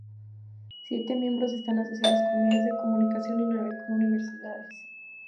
Siete miembros están asociados con medios de comunicación y nueve con universidades.